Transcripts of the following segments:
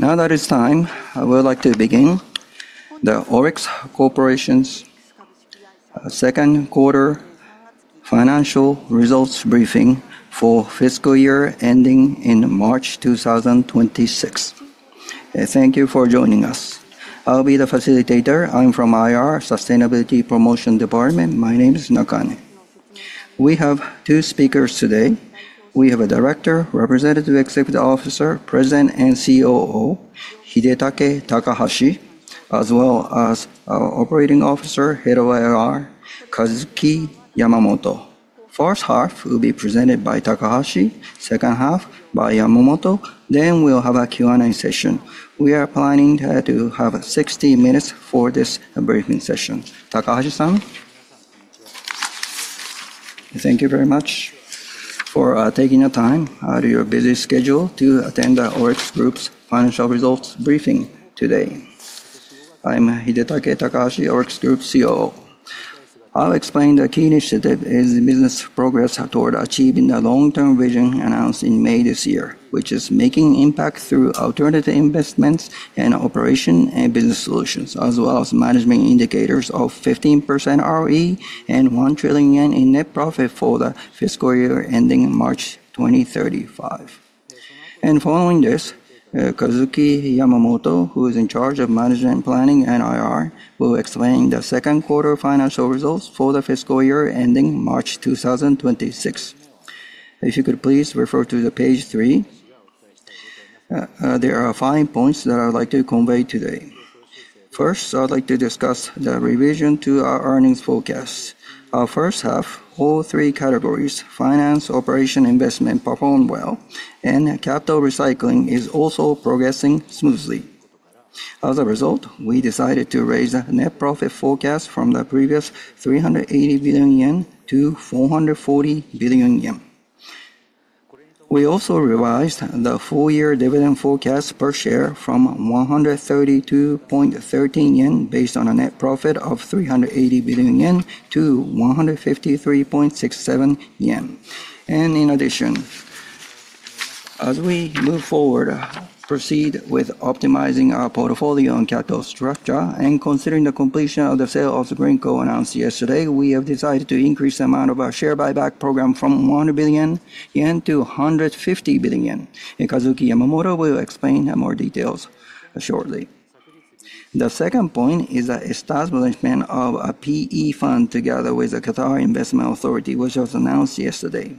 Now that it's time, I would like to begin the ORIX Corporation's second-quarter financial results briefing for the fiscal year ending in March 2026. Thank you for joining us. I'll be the facilitator. I'm from the IR Sustainability Promotion Department. My name is Nakane. We have two speakers today. We have a Director, Representative Executive Officer, President, and COO, Hidetake Takahashi, as well as our Operating Officer, Head of IR, Kazuki Yamamoto. The first half will be presented by Takahashi, the second half by Yamamoto. We will have a Q&A session. We are planning to have 60 minutes for this briefing session. Takahashi-san? Thank you very much for taking the time out of your busy schedule to attend the ORIX Group's financial results briefing today. I'm Hidetake Takahashi, ORIX Group COO. I'll explain the key initiative in business progress toward achieving the long-term vision announced in May this year, which is making impact through alternative investments and operation and business solutions, as well as management indicators of 15% ROE and 1 trillion yen in net profit for the fiscal year ending March 2035. Following this, Kazuki Yamamoto, who is in charge of management planning and IR, will explain the second-quarter financial results for the fiscal year ending March 2026. If you could please refer to page three, there are five points that I'd like to convey today. First, I'd like to discuss the revision to our earnings forecasts. Our first half, all three categories—finance, operation, investment—performed well, and capital recycling is also progressing smoothly. As a result, we decided to raise the net profit forecast from the previous 380 billion-440 billion yen. We also revised the four-year dividend forecast per share from 132.13 yen based on a net profit of 380 billion-153.67 yen. In addition, as we move forward, proceed with optimizing our portfolio and capital structure. Considering the completion of the sale of Greenko Energy announced yesterday, we have decided to increase the amount of our share buyback program from 1 billion-150 billion yen. Kazuki Yamamoto will explain more details shortly. The second point is the establishment of a PE fund together with the Qatar Investment Authority, which was announced yesterday.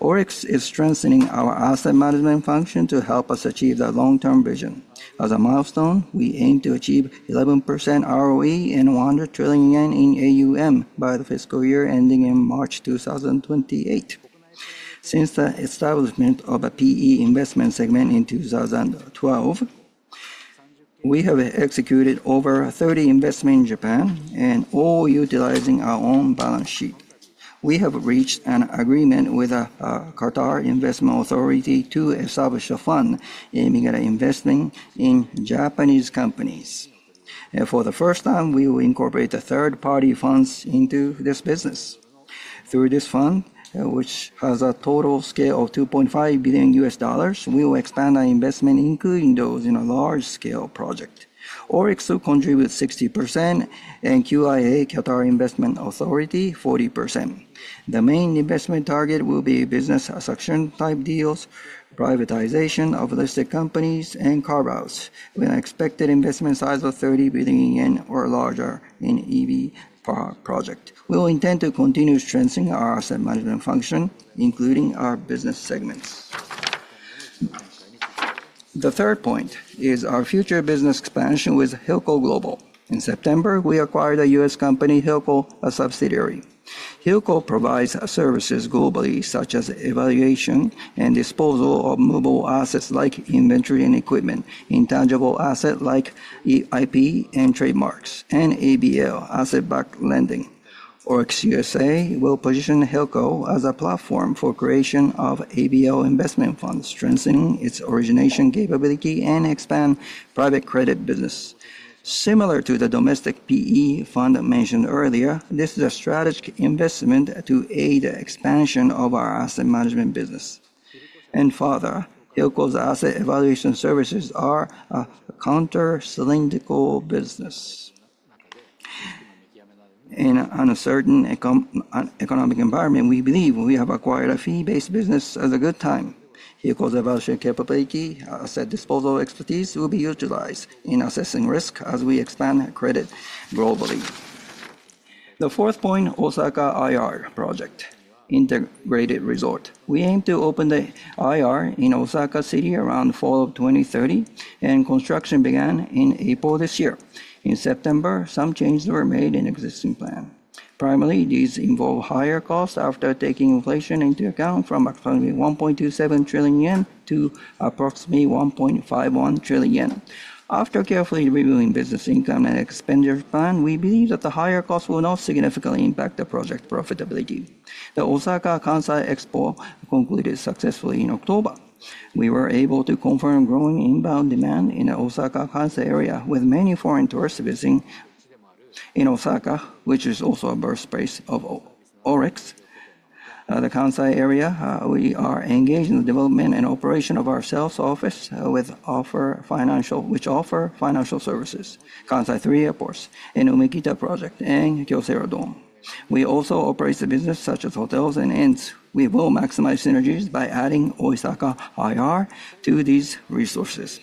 ORIX is strengthening our asset management function to help us achieve the long-term vision. As a milestone, we aim to achieve 11% ROE and 100 trillion yen in AUM by the fiscal year ending in March 2028. Since the establishment of a PE investment segment in 2012, we have executed over 30 investments in Japan, and all utilizing our own balance sheet. We have reached an agreement with the Qatar Investment Authority to establish a fund aiming at investing in Japanese companies. For the first time, we will incorporate third-party funds into this business. Through this fund, which has a total scale of $2.5 billion, we will expand our investment, including those in a large-scale project. ORIX will contribute 60%, and QIA, Qatar Investment Authority, 40%. The main investment target will be business action-type deals, privatization of listed companies, and carve-outs with an expected investment size of 30 billion yen or larger in EV projects. We will intend to continue strengthening our asset management function, including our business segments. The third point is our future business expansion with Hilco Global. In September, we acquired a U.S. company, Hilco, a subsidiary. Hilco provides services globally, such as evaluation and disposal of movable assets like inventory and equipment, intangible assets like IP and trademarks, and ABL, asset-backed lending. ORIX USA will position Hilco as a platform for creation of ABL investment funds, strengthening its origination capability and expanding the private credit business. Similar to the domestic PE fund mentioned earlier, this is a strategic investment to aid the expansion of our asset management business. Further, Hilco's asset evaluation services are a countercyclical business. In an uncertain economic environment, we believe we have acquired a fee-based business at a good time. Hilco's evaluation capability, asset disposal expertise will be utilized in assessing risk as we expand credit globally. The fourth point, Osaka IR project, integrated resort. We aim to open the IR in Osaka City around fall of 2030, and construction began in April this year. In September, some changes were made in the existing plan. Primarily, these involve higher costs after taking inflation into account from approximately 1.27 trillion yen to approximately 1.51 trillion yen. After carefully reviewing business income and expenditure plan, we believe that the higher costs will not significantly impact the project profitability. The Osaka Kansai Expo concluded successfully in October. We were able to confirm growing inbound demand in the Osaka Kansai area, with many foreign tourists visiting Osaka, which is also a birthplace of ORIX. The Kansai area, we are engaged in the development and operation of our sales office with Offer Financial, which offers financial services, Kansai 3 Airports, and Umekita Project and Kyocera Dome. We also operate businesses such as hotels and inns. We will maximize synergies by adding Osaka IR to these resources.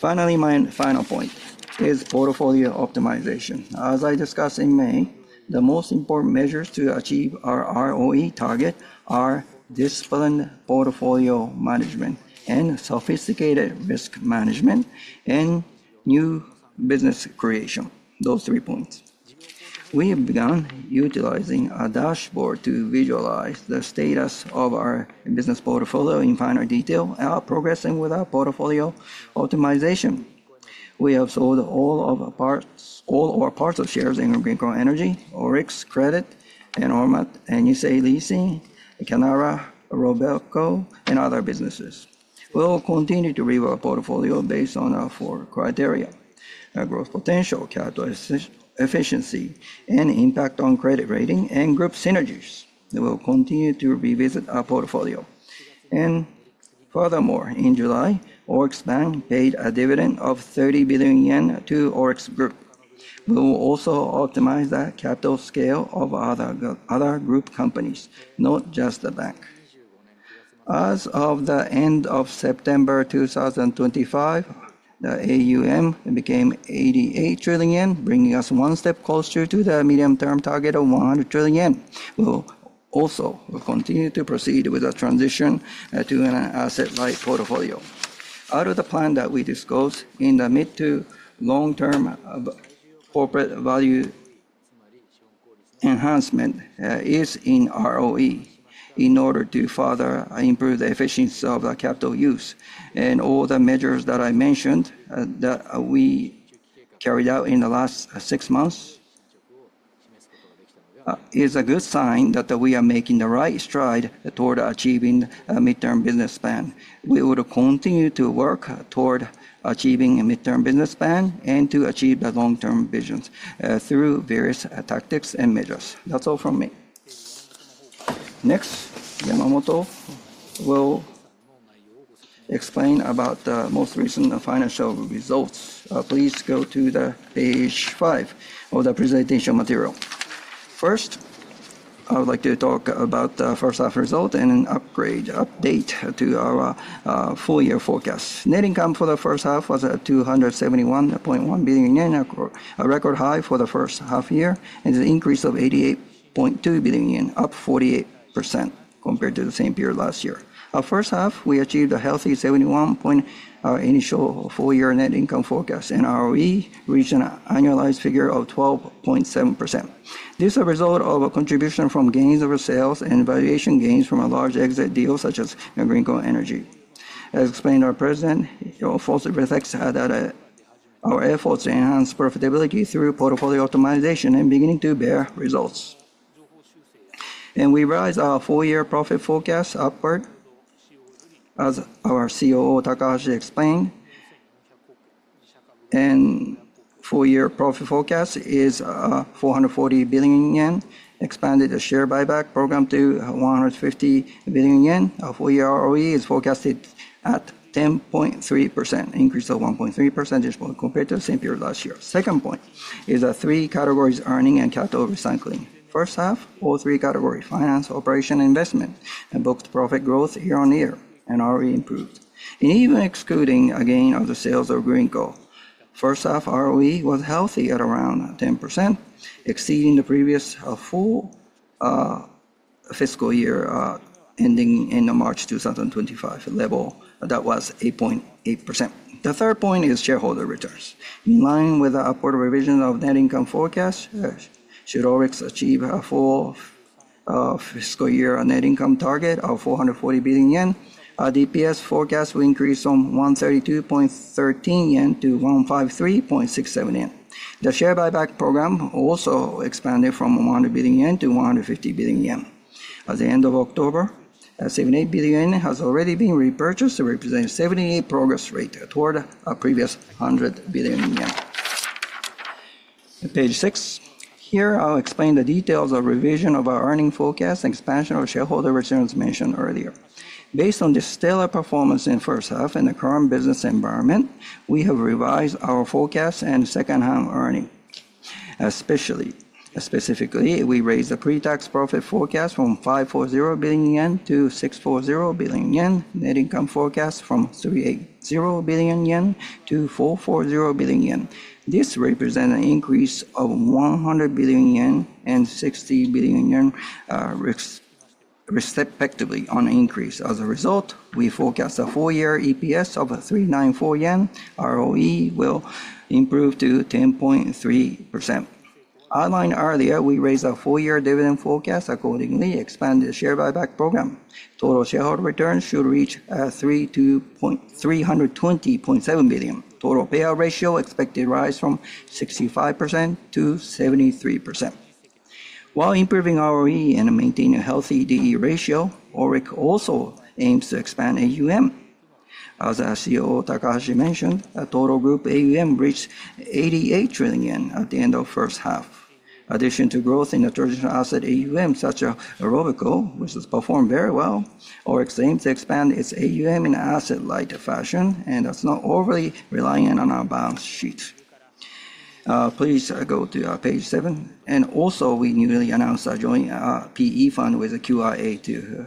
Finally, my final point is portfolio optimization. As I discussed in May, the most important measures to achieve our ROE target are disciplined portfolio management, sophisticated risk management, and new business creation. Those three points. We have begun utilizing a dashboard to visualize the status of our business portfolio in finer detail and are progressing with our portfolio optimization. We have sold all of our parts of shares in Greenko Energy, ORIX Credit, and Metro Leasing, Canara, Robeco, and other businesses. We will continue to review our portfolio based on our four criteria: growth potential, capital efficiency, impact on credit rating, and group synergies. We will continue to revisit our portfolio. Furthermore, in July, ORIX Bank paid a dividend of 30 billion yen to ORIX Group. We will also optimize the capital scale of other group companies, not just the bank. As of the end of September 2025, the AUM became 88 trillion yen, bringing us one step closer to the medium-term target of 100 trillion yen. We will also continue to proceed with a transition to an asset-light portfolio. Out of the plan that we disclosed, in the mid to long-term, corporate value enhancement is in ROE in order to further improve the efficiency of the capital use. All the measures that I mentioned that we carried out in the last six months is a good sign that we are making the right stride toward achieving a midterm business plan. We will continue to work toward achieving a midterm business plan and to achieve the long-term vision through various tactics and measures. That's all from me. Next, Yamamoto will explain about the most recent financial results. Please go to page five of the presentation material. First, I would like to talk about the first-half result and an update to our four-year forecast. Net income for the first half was 271.1 billion yen, a record high for the first half year, and an increase of 88.2 billion yen, up 48% compared to the same period last year. Our first half, we achieved a healthy 71.0 billion initial four-year net income forecast, and ROE reached an annualized figure of 12.7%. This is a result of a contribution from gains over sales and valuation gains from a large exit deal such as Greenko Energy. As explained by the President, it also reflects that our efforts to enhance profitability through portfolio optimization are beginning to bear results. We raised our four-year profit forecast upward, as our COO, Takahashi, explained. The four-year profit forecast is 440 billion yen, expanded the share buyback program to 150 billion yen. Our four-year ROE is forecasted at 10.3%, an increase of 1.3% compared to the same period last year. The second point is the three categories: earning and capital recycling. First half, all three categories—finance, operation, investment—booked profit growth year-on-year, and ROE improved. Even excluding a gain of the sales of Greenko, first-half ROE was healthy at around 10%, exceeding the previous full fiscal year ending in March 2025 level that was 8.8%. The third point is shareholder returns. In line with the upward revision of the net income forecast, should ORIX achieve a full fiscal year net income target of 440 billion yen, our DPS forecast will increase from 132.13-153.67 yen. The share buyback program also expanded from 100 billion yen to 150 billion yen. At the end of October, 78 billion yen has already been repurchased to represent a 78% progress rate toward a previous 100 billion yen. Page six. Here, I'll explain the details of the revision of our earnings forecast and expansion of shareholder returns mentioned earlier. Based on the stellar performance in the first half and the current business environment, we have revised our forecast and second-half earnings. Specifically, we raised the pre-tax profit forecast from 540 billion-640 billion yen, net income forecast from 380 billion-440 billion yen. This represents an increase of 100 billion yen and 60 billion yen respectively on an increase. As a result, we forecast a four-year EPS of 394 yen. ROE will improve to 10.3%. As outlined earlier, we raised our four-year dividend forecast accordingly, expanded the share buyback program. Total shareholder returns should reach 320.7 billion. Total payout ratio is expected to rise from 65%-73%. While improving ROE and maintaining a healthy debt-equity ratio, ORIX also aims to expand AUM. As our COO, Takahashi, mentioned, total group AUM reached 88 trillion yen at the end of the first half. In addition to growth in the traditional asset AUM, such as Robeco, which has performed very well, ORIX aims to expand its AUM in an asset-light fashion and is not overly reliant on our balance sheet. Please go to page seven. We also newly announced a joint PE fund with QIA too.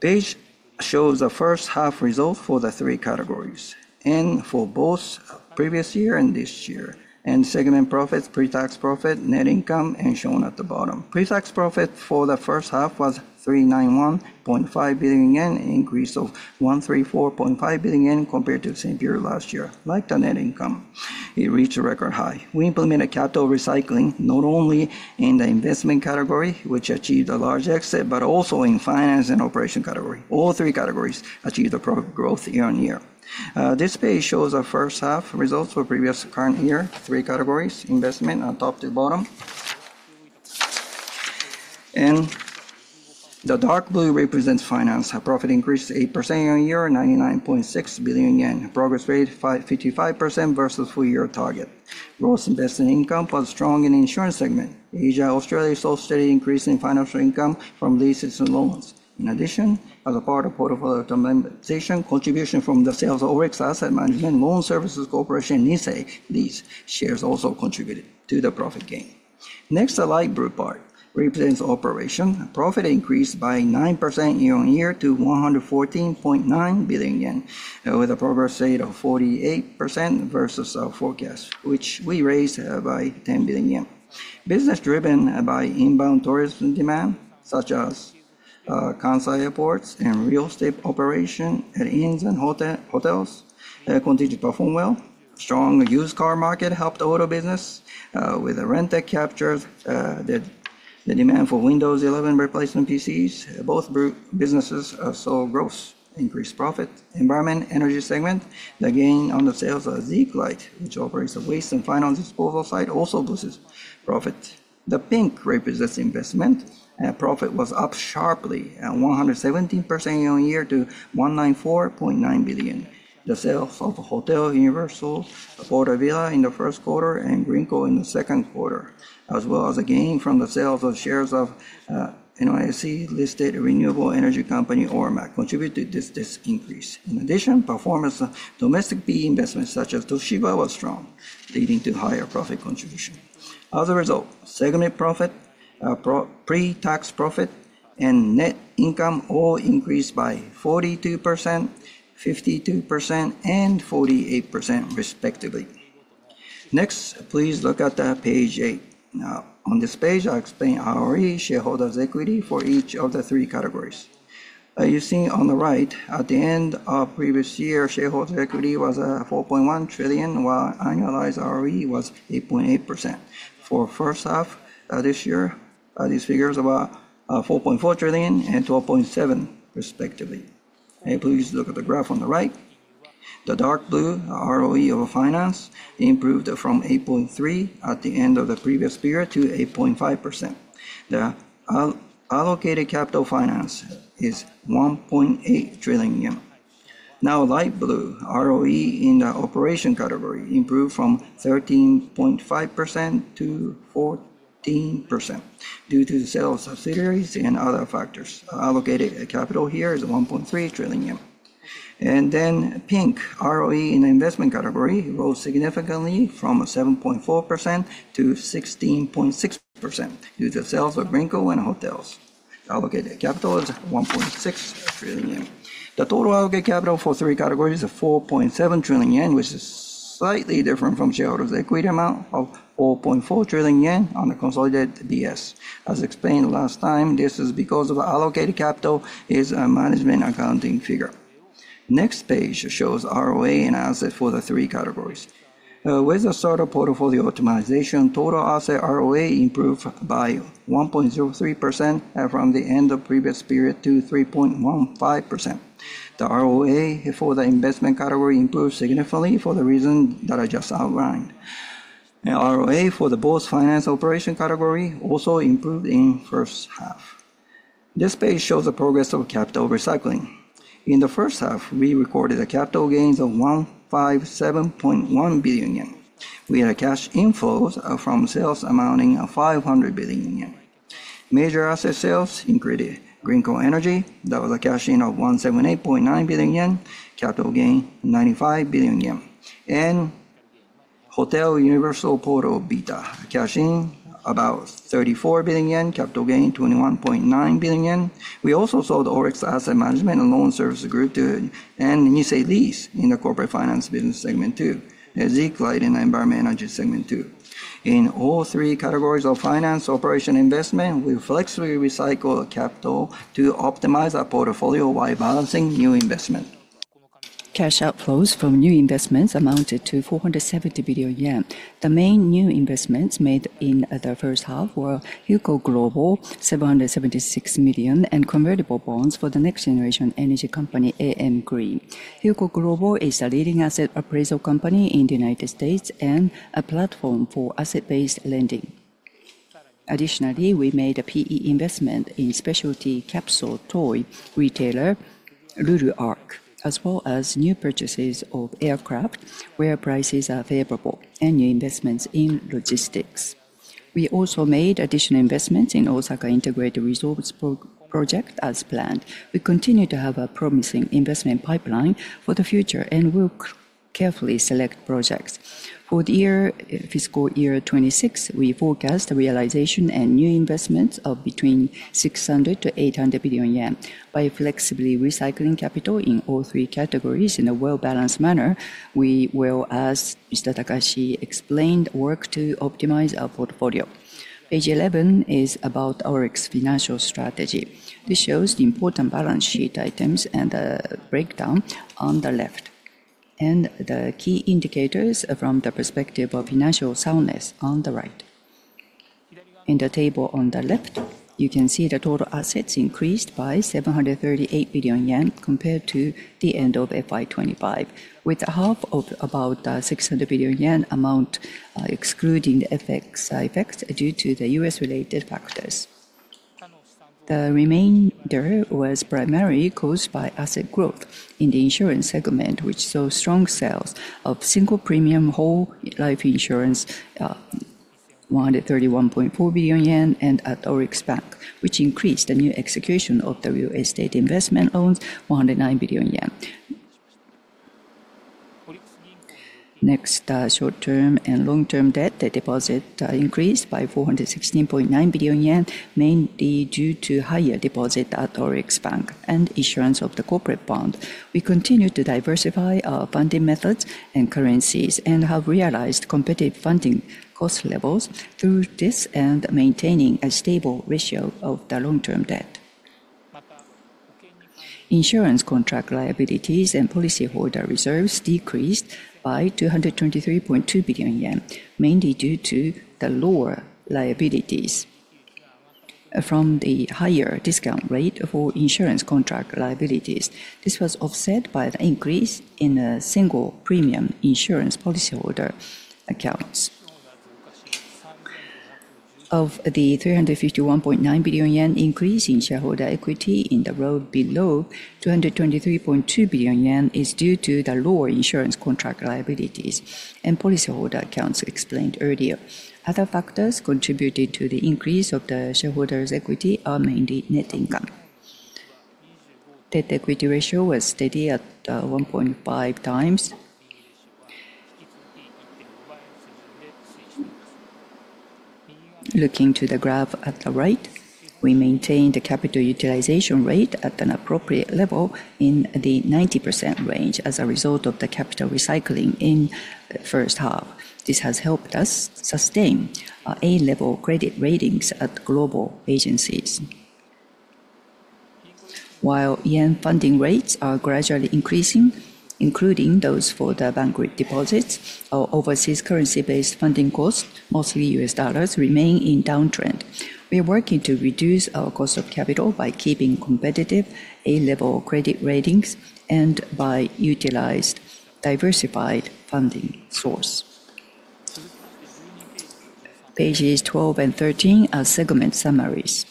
The page shows the first-half results for the three categories and for both previous year and this year, and segment profits, pre-tax profit, net income, and shown at the bottom. Pre-tax profit for the first half was 391.5 billion yen, an increase of 134.5 billion yen compared to the same period last year. Like the net income, it reached a record high. We implemented capital recycling not only in the investment category, which achieved a large exit, but also in finance and operation category. All three categories achieved a profit growth year-on-year. This page shows the first-half results for previous current year, three categories, investment on top to bottom. The dark blue represents finance. Profit increased 8% on year, 99.6 billion yen, progress rate 55% versus full-year target. Gross investment income was strong in the insurance segment. Asia, Australia saw steady increase in financial income from leases and loans. In addition, as a part of portfolio optimization, contributions from the sales of ORIX Asset Management and Loan Services Corporation and NISAI Lease shares also contributed to the profit gain. Next, the light blue part represents operation. Profit increased by 9% year-on-year to 114.9 billion yen, with a progress rate of 48% versus our forecast, which we raised by 10 billion yen. Business driven by inbound tourism demand, such as Kansai Airports and real estate operation at inns and hotels, continued to perform well. Strong used car market helped auto business with the rented captures the demand for Windows 11 replacement PCs. Both businesses saw growth, increased profit. Environment, energy segment, the gain on the sales of Zig Light, which operates a waste and finance disposal site, also boosted profit. The pink represents investment. Profit was up sharply at 117% year-on-year to 194.9 billion. The sales of Hotel Universal, PortaVilla in the first quarter and Greenko Energy in the second quarter, as well as the gain from the sales of shares of NYSE-listed renewable energy company Ormat Technologies, contributed to this increase. In addition, performance of domestic PE investments such as Toshiba was strong, leading to higher profit contribution. As a result, segment profit, pre-tax profit, and net income all increased by 42%, 52%, and 48% respectively. Next, please look at page eight. On this page, I explain ROE, shareholders' equity for each of the three categories. As you see on the right, at the end of the previous year, shareholders' equity was 4.1 trillion, while annualized ROE was 8.8%. For the first half of this year, these figures were 4.4 trillion and 12.7% respectively. Please look at the graph on the right. The dark blue ROE of finance improved from 8.3% at the end of the previous period to 8.5%. The allocated capital finance is 1.8 trillion yen. Now, light blue ROE in the operation category improved from 13.5%-14% due to the sale of subsidiaries and other factors. Allocated capital here is 1.3 trillion yen. Then pink ROE in the investment category rose significantly from 7.4%-16.6% due to the sales of Greenko Energy and hotels. Allocated capital is 1.6 trillion yen. The total allocated capital for three categories is 4.7 trillion yen, which is slightly different from shareholders' equity amount of 4.4 trillion yen on the consolidated DS. As explained last time, this is because the allocated capital is a management accounting figure. Next page shows ROE and assets for the three categories. With the startup portfolio optimization, total asset ROE improved by 1.03% from the end of the previous period to 3.15%. The ROE for the investment category improved significantly for the reasons that I just outlined. ROE for both finance and operation categories also improved in the first half. This page shows the progress of capital recycling. In the first half, we recorded a capital gains of 157.1 billion yen. We had a cash inflows from sales amounting to 500 billion yen. Major asset sales included Greenko Energy, that was a cash in of 178.9 billion yen, capital gain 95 billion yen, and Hotel Universal Port Vita, a cash in about 34 billion yen, capital gain 21.9 billion yen. We also sold ORIX Asset Management and Loan Services Corporation and NISAI Lease in the corporate finance business segment too, and Zig Light in the environmental energy segment too. In all three categories of finance, operation, and investment, we flexibly recycled capital to optimize our portfolio while balancing new investment. Cash outflows from new investments amounted to 470 billion yen. The main new investments made in the first half were Hilco Global 776 million and convertible bonds for the next generation energy company AM Green. Hilco Global is a leading asset appraisal company in the United States and a platform for asset-based lending. Additionally, we made a PE investment in specialty capsule toy retailer Lulu Arc, as well as new purchases of aircraft where prices are favorable and new investments in logistics. We also made additional investments in Osaka Integrated Resort project as planned. We continue to have a promising investment pipeline for the future and will carefully select projects. For the fiscal year 2026, we forecast the realization and new investments of between 600 billion-800 billion yen by flexibly recycling capital in all three categories in a well-balanced manner. We will, as Mr. Takahashi explained, work to optimize our portfolio. Page 11 is about ORIX financial strategy. This shows the important balance sheet items and the breakdown on the left, and the key indicators from the perspective of financial soundness on the right. In the table on the left, you can see the total assets increased by 738 billion yen compared to the end of FY 2025, with a half of about 600 billion yen amount excluding the effects due to the U.S.-related factors. The remainder was primarily caused by asset growth in the insurance segment, which saw strong sales of single premium whole life insurance 131.4 billion yen and at ORIX Bank, which increased the new execution of the real estate investment loans 109 billion yen. Next, short-term and long-term debt deposit increased by 416.9 billion yen, mainly due to higher deposit at ORIX Bank and insurance of the corporate bond. We continue to diversify our funding methods and currencies and have realized competitive funding cost levels through this and maintaining a stable ratio of the long-term debt. Insurance contract liabilities and policyholder reserves decreased by 223.2 billion yen, mainly due to the lower liabilities from the higher discount rate for insurance contract liabilities. This was offset by the increase in single premium insurance policyholder accounts. Of the 351.9 billion yen increase in shareholder equity in the row below, 223.2 billion yen is due to the lower insurance contract liabilities and policyholder accounts explained earlier. Other factors contributed to the increase of the shareholders' equity are mainly net income. Debt-equity ratio was steady at 1.5x. Looking to the graph at the right, we maintained the capital utilization rate at an appropriate level in the 90% range as a result of the capital recycling in the first half. This has helped us sustain A-level credit ratings at global agencies. While yen funding rates are gradually increasing, including those for the bankrupt deposits, our overseas currency-based funding costs, mostly U.S. dollars remain in downtrend. We are working to reduce our cost of capital by keeping competitive A-level credit ratings and by utilizing diversified funding sources. Pages 12 and 13 are segment summaries.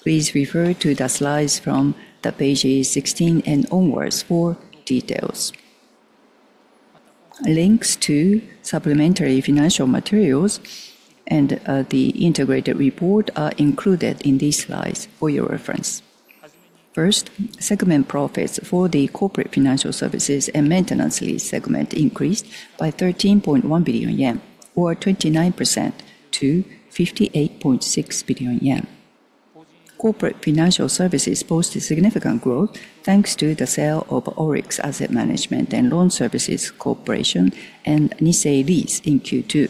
Please refer to the slides from page 16 and onwards for details. Links to supplementary financial materials and the integrated report are included in these slides for your reference. First, segment profits for the corporate financial services and maintenance lease segment increased by 13.1 billion yen, or 29%, to 58.6 billion yen. Corporate financial services posted significant growth thanks to the sale of ORIX Asset Management and Loan Services Corporation and NISAI Lease in Q2.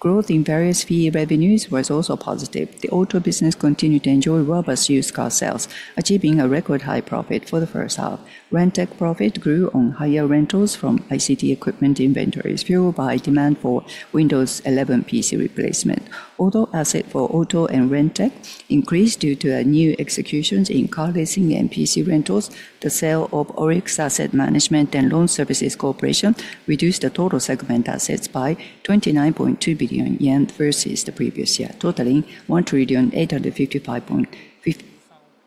Growth in various fee revenues was also positive. The auto business continued to enjoy robust used car sales, achieving a record high profit for the first half. Rent tech profit grew on higher rentals from ICT equipment inventories fueled by demand for Windows 11 PC replacement. Auto asset for auto and rent tech increased due to new executions in car leasing and PC rentals. The sale of ORIX Asset Management and Loan Services Corporation reduced the total segment assets by 29.2 billion yen versus the previous year, totaling 1,855.3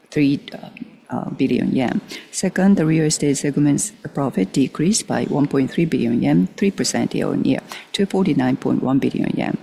billion yen. Second, the real estate segment's profit decreased by 1.3 billion yen, 3% year-on-year, to 49.1 billion yen.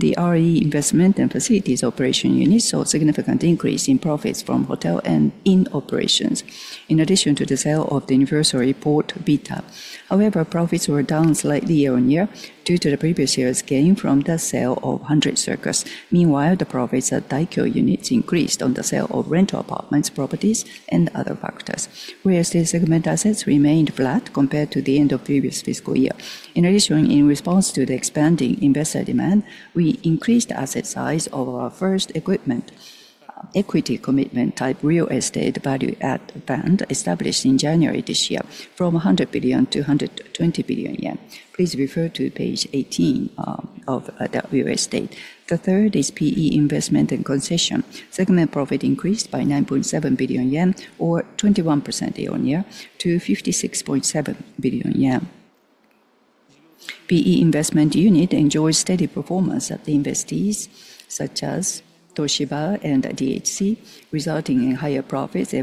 The RE investment and facilities operation units saw a significant increase in profits from hotel and in operations, in addition to the sale of the Anniversary Port Vita. However, profits were down slightly year-on-year due to the previous year's gain from the sale of 100 Circus. Meanwhile, the profits at Daikyo units increased on the sale of rental apartments, properties, and other factors. Real estate segment assets remained flat compared to the end of the previous fiscal year. In addition, in response to the expanding investor demand, we increased the asset size of our first equipment equity commitment type real estate value add fund established in January this year from 100 billion-120 billion yen. Please refer to page 18 of the real estate. The third is PE investment and concession. Segment profit increased by 9.7 billion yen, or 21% year-on-year, to 56.7 billion yen. PE investment unit enjoys steady performance at the investees such as Toshiba and DHC, resulting in higher profits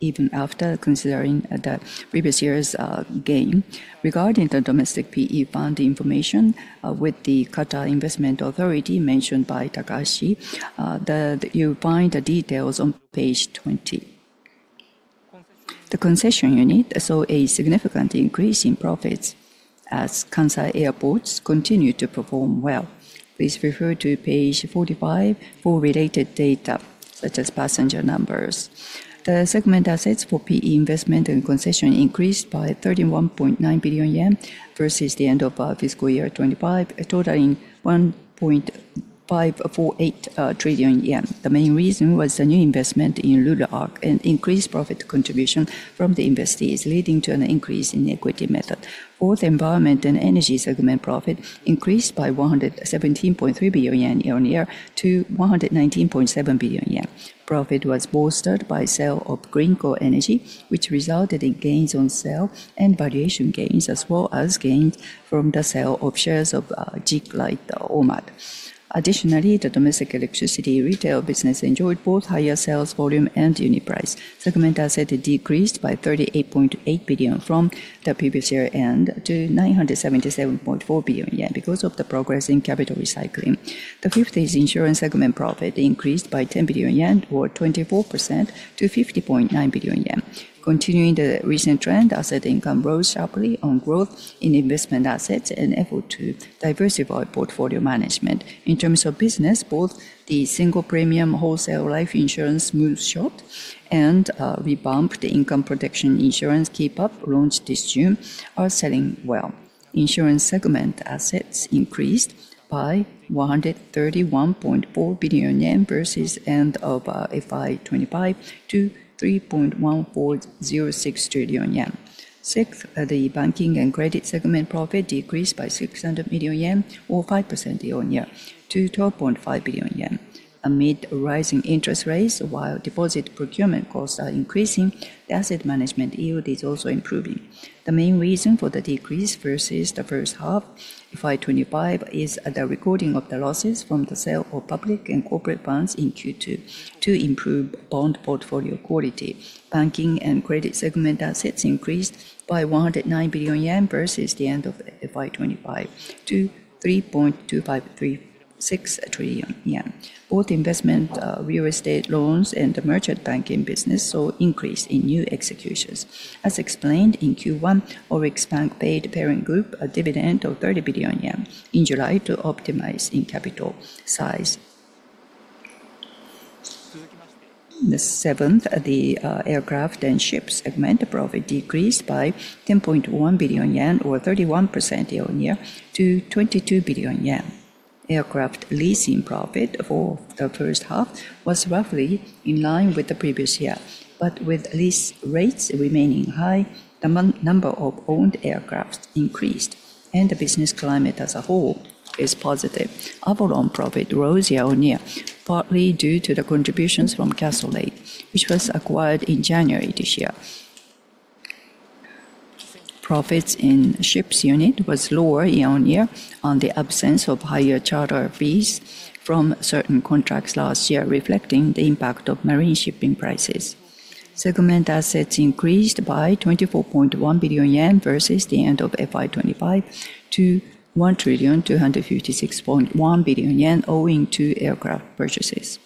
even after considering the previous year's gain. Regarding the domestic PE fund information with the Qatar Investment Authority mentioned by Takahashi, you'll find the details on page 20. The concession unit saw a significant increase in profits as Kansai Airports continued to perform well. Please refer to page 45 for related data such as passenger numbers. The segment assets for PE investment and concession increased by 31.9 billion yen versus the end of fiscal year 2025, totaling 1.548 trillion yen. The main reason was the new investment in Lulu Arc and increased profit contribution from the investees, leading to an increase in equity method. Both environment and energy segment profit increased by 117.3 billion yen year-on-year to 119.7 billion yen. Profit was bolstered by the sale of Greenko Energy, which resulted in gains on sale and valuation gains, as well as gains from the sale of shares of Zig Light and Nomad. Additionally, the domestic electricity retail business enjoyed both higher sales volume and unit price. Segment asset decreased by 38.8 billion from the previous year end to 977.4 billion yen because of the progress in capital recycling. The fifth is insurance segment profit increased by 10 billion yen, or 24%, to 50.9 billion yen. Continuing the recent trend, asset income rose sharply on growth in investment assets and effort to diversify portfolio management. In terms of business, both the single premium whole life insurance move shot and re-bumped the income protection insurance key pump launched this June are selling well. Insurance segment assets increased by 131.4 billion yen versus the end of FY 2025 to 3.1406 trillion yen. Sixth, the banking and credit segment profit decreased by 600 million yen, or 5% year-on-year, to 12.5 billion yen. Amid rising interest rates, while deposit procurement costs are increasing, the asset management yield is also improving. The main reason for the decrease versus the first half of FY2025 is the recording of the losses from the sale of public and corporate bonds in Q2 to improve bond portfolio quality. Banking and credit segment assets increased by 109 billion yen versus the end of FY 2025 to 3.2536 trillion yen. Both investment real estate loans and the merchant banking business saw increase in new executions. As explained in Q1, ORIX Bank paid the parent group a dividend of 30 billion yen in July to optimize in capital size. The seventh, the aircraft and ship segment profit decreased by 10.1 billion yen, or 31% year-on-year, to 22 billion yen. Aircraft leasing profit for the first half was roughly in line with the previous year, but with lease rates remaining high, the number of owned aircraft increased, and the business climate as a whole is positive. Our loan profit rose year-on-year, partly due to the contributions from Castle Lake, which was acquired in January this year. Profits in ships unit was lower year-on-year on the absence of higher charter fees from certain contracts last year, reflecting the impact of marine shipping prices. Segment assets increased by 24.1 billion yen versus the end of FY 2025 to 1,256.1 trillion owing to aircraft purchases.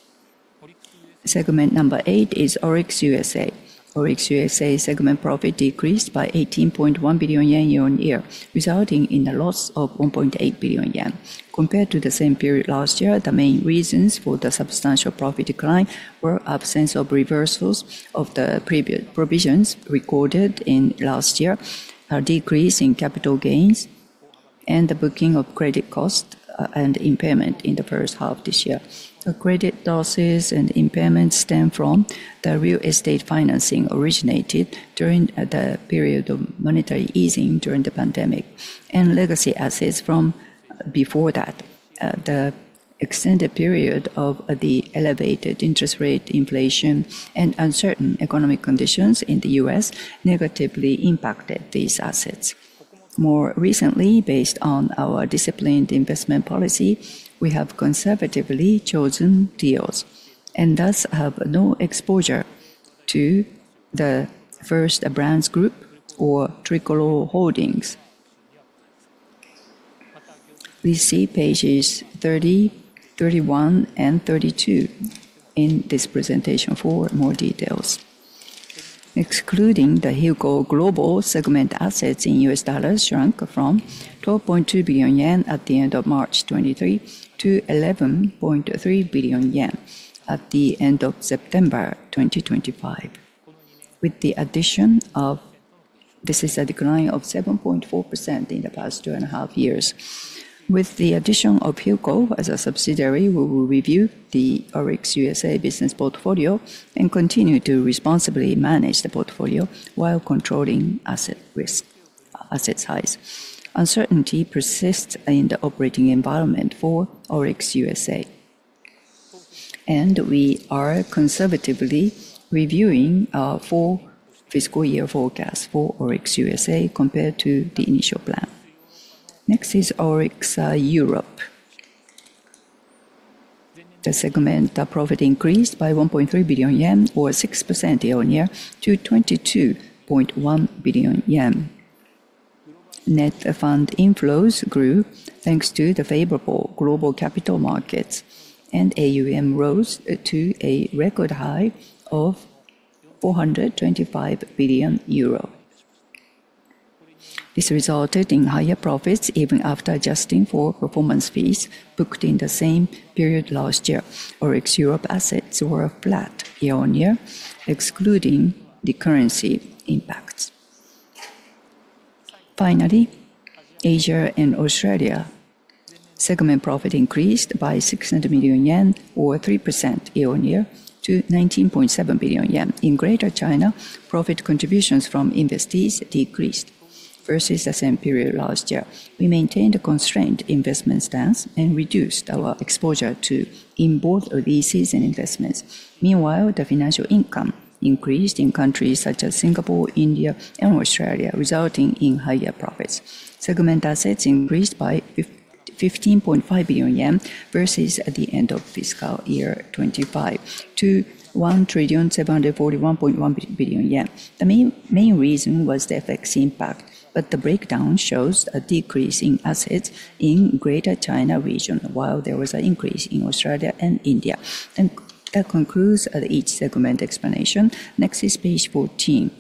Segment number eight is ORIX USA. ORIX USA segment profit decreased by 18.1 billion yen year-on-year, resulting in a loss of 1.8 billion yen. Compared to the same period last year, the main reasons for the substantial profit decline were absence of reversals of the provisions recorded in last year, a decrease in capital gains, and the booking of credit costs and impairment in the first half this year. The credit losses and impairments stem from the real estate financing originated during the period of monetary easing during the pandemic and legacy assets from before that. The extended period of the elevated interest rate inflation and uncertain economic conditions in the U.S. negatively impacted these assets. More recently, based on our disciplined investment policy, we have conservatively chosen deals and thus have no exposure to the First Brands Group or Tricolor Holdings. Please see pages 30, 31, and 32 in this presentation for more details. Excluding the Hilco Global segment, assets in U.S. dollars shrunk from 12.2 billion yen at the end of March 2023 to 11.3 billion yen at the end of September 2025, with the addition of. This is a decline of 7.4% in the past two and a half years. With the addition of Hilco as a subsidiary, we will review the ORIX USA business portfolio and continue to responsibly manage the portfolio while controlling asset risks. Asset size. Uncertainty persists in the operating environment for ORIX USA, and we are conservatively reviewing four fiscal year forecasts for ORIX USA compared to the initial plan. Next is ORIX Europe. The segment profit increased by 1.3 billion yen, or 6% year-on-year, to 22.1 billion yen. Net fund inflows grew thanks to the favorable global capital markets, and AUM rose to a record high of 425 billion euro. This resulted in higher profits even after adjusting for performance fees booked in the same period last year. ORIX Europe assets were flat year-on-year, excluding the currency impacts. Finally, Asia and Australia segment profit increased by 600 million yen, or 3% year-on-year, to 19.7 billion yen. In Greater China, profit contributions from investees decreased versus the same period last year. We maintained a constrained investment stance and reduced our exposure to in both leases and investments. Meanwhile, the financial income increased in countries such as Singapore, India, and Australia, resulting in higher profits. Segment assets increased by 15.5 billion yen versus the end of fiscal year 2025 to 1,741.1 billion yen. The main reason was the effects impact, but the breakdown shows a decrease in assets in Greater China region, while there was an increase in Australia and India. That concludes each segment explanation. Next is page 14.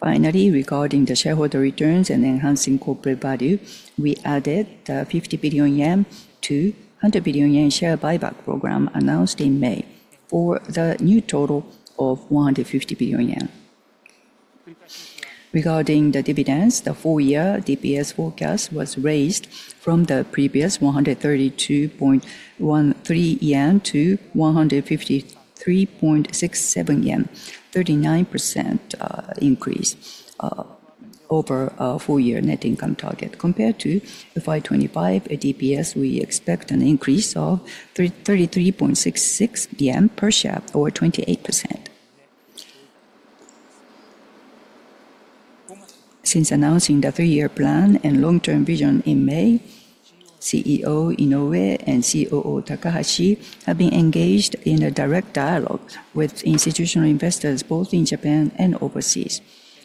Finally, regarding the shareholder returns and enhancing corporate value, we added 50 billion-100 billion yen share buyback program announced in May for the new total of 150 billion yen. Regarding the dividends, the four-year DPS forecast was raised from the previous 132.13 yen -153.67 yen, 39% increase over a four-year net income target. Compared to FY 2025 DPS, we expect an increase of 33.66 yen per share, or 28%. Since announcing the three-year plan and long-term vision in May, CEO Inoue and COO Takahashi have been engaged in a direct dialogue with institutional investors both in Japan and overseas.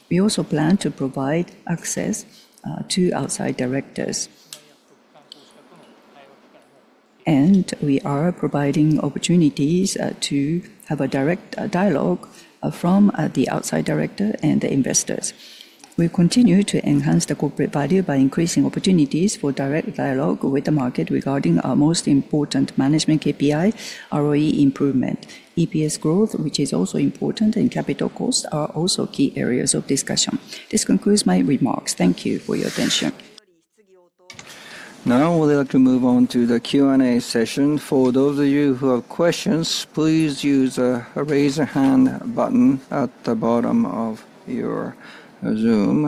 We also plan to provide access to outside directors, and we are providing opportunities to have a direct dialogue from the outside director and the investors. We continue to enhance the corporate value by increasing opportunities for direct dialogue with the market regarding our most important management KPI, ROE improvement. EPS growth, which is also important, and capital costs are also key areas of discussion. This concludes my remarks. Thank you for your attention. Now, we'd like to move on to the Q&A session. For those of you who have questions, please use the raise a hand button at the bottom of your Zoom.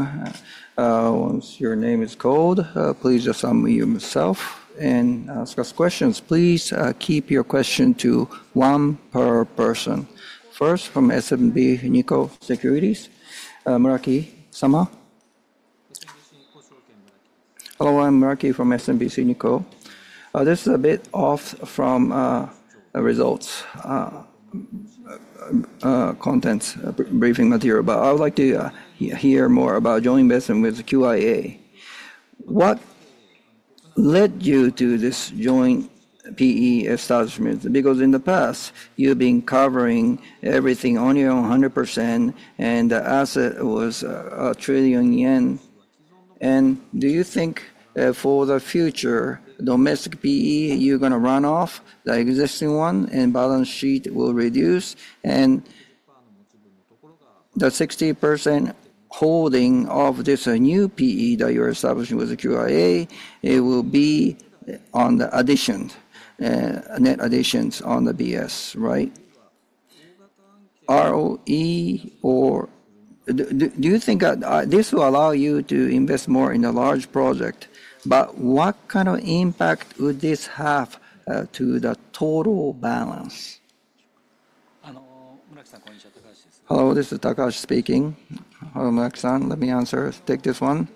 Once your name is called, please assign yourself and ask us questions. Please keep your question to one per person. First, from SMBC Nikko Securities, Muraki Sama. Hello, I'm Muraki from SMBC Nikko. This is a bit off from the results content briefing material, but I would like to hear more about joint investment with QIA. What led you to this joint PE establishment? Because in the past, you've been covering everything on your own 100%, and the asset was 1 trillion yen. Do you think for the future domestic PE, you're going to run off the existing one and balance sheet will reduce? The 60% holding of this new PE that you're establishing with QIA, it will be on the addition, net additions on the BS, right? Do you think this will allow you to invest more in a large project, but what kind of impact would this have to the total balance? Hello, this is Takahashi speaking. Hello, Muraki-san. Let me answer. Take this one.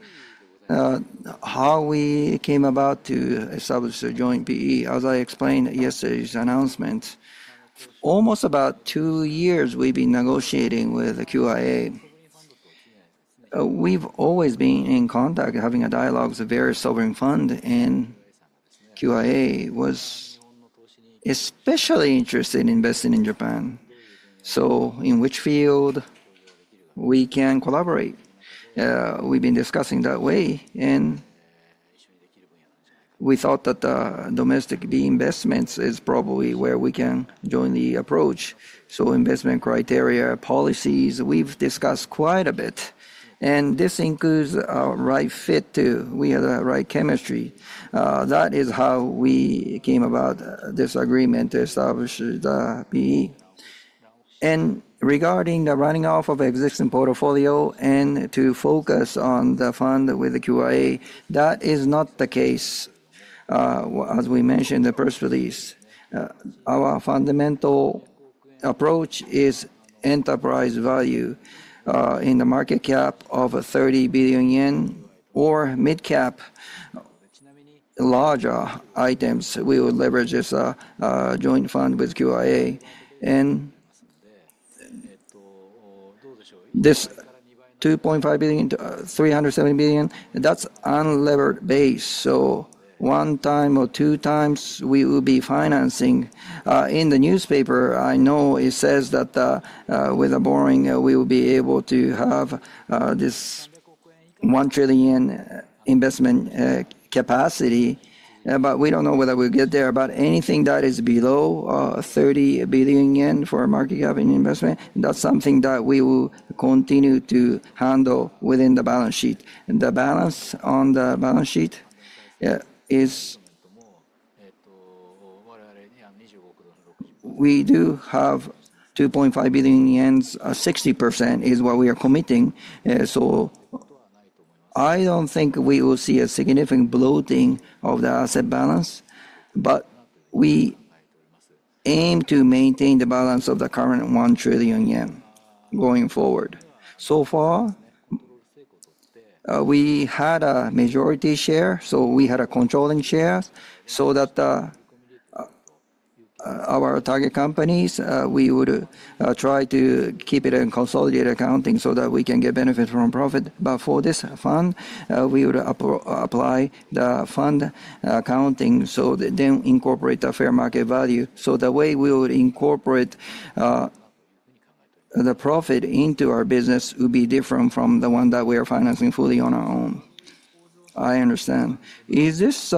How we came about to establish a joint PE, as I explained in yesterday's announcement, almost about two years we've been negotiating with QIA. We've always been in contact, having a dialogue with the various sovereign fund, and QIA was especially interested in investing in Japan. In which field we can collaborate? We've been discussing that way, and we thought that the domestic PE investments is probably where we can jointly approach. Investment criteria, policies, we've discussed quite a bit, and this includes a right fit too. We have the right chemistry. That is how we came about this agreement to establish the PE. Regarding the running off of existing portfolio and to focus on the fund with the QIA, that is not the case. As we mentioned in the press release, our fundamental approach is enterprise value in the market cap of 30 billion yen or mid-cap larger items. We would leverage this joint fund with QIA, and this $2.5 billion, 370 billion, that's unlevered base. One time or two times we will be financing. In the newspaper, I know it says that with borrowing, we will be able to have this JPY 1 trillion investment capacity, but we do not know whether we will get there. Anything that is below 30 billion yen for a market cap investment, that is something that we will continue to handle within the balance sheet. The balance on the balance sheet is we do have $2.5 billion. 60% is what we are committing. I do not think we will see a significant bloating of the asset balance, but we aim to maintain the balance of the current 1 trillion yen going forward. So far, we had a majority share, so we had a controlling share so that our target companies, we would try to keep it in consolidated accounting so that we can get benefit from profit. For this fund, we would apply the fund accounting so they do not incorporate the fair market value. That way we would incorporate the profit into our business would be different from the one that we are financing fully on our own. I understand. Is this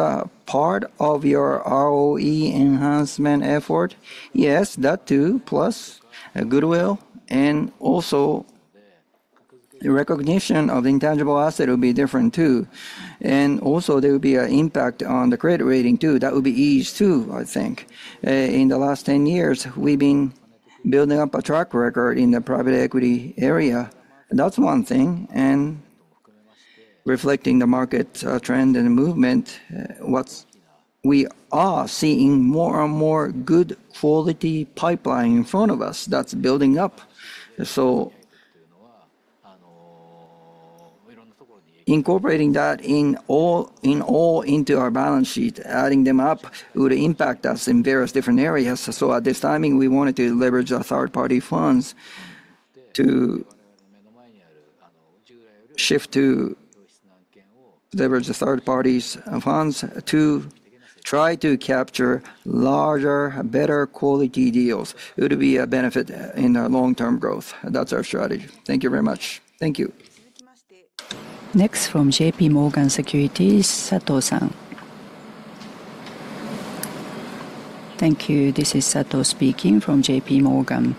part of your ROE enhancement effort? Yes, that too, plus goodwill and also recognition of intangible asset would be different too. Also there would be an impact on the credit rating too. That would be eased too, I think. In the last 10 years, we have been building up a track record in the private equity area. That is one thing. Reflecting the market trend and movement, we are seeing more and more good quality pipeline in front of us that is building up. Incorporating that all into our balance sheet, adding them up would impact us in various different areas. At this timing, we wanted to leverage our third-party funds to shift to leverage the third-party funds to try to capture larger, better quality deals. It would be a benefit in our long-term growth. That is our strategy. Thank you very much. Thank you. Next from JPMorgan Securities, Sato-san. Thank you. This is Sato speaking from JPMorgan